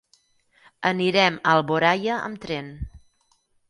Anirem a Alboraia amb tren.